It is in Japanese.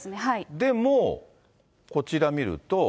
でも、こちら見ると。